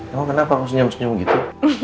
kamu kenapa harus senyum senyum gitu